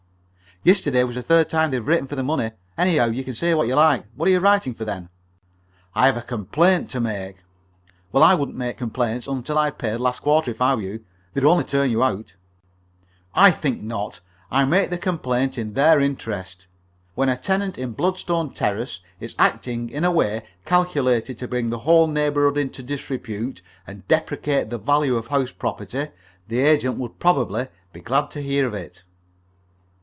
"Yesterday was the third time they've written for the money, anyhow, and you can say what you like. What are you writing for, then?" "I have a complaint to make." "Well, I wouldn't make any complaints until I'd paid last quarter, if I were you. They'll only turn you out." "I think not. I make the complaint in their interest. When a tenant in Bloodstone Terrace is acting in a way calculated to bring the whole neighbourhood into disrepute, and depreciate the value of house property, the agents would probably be glad to hear of it."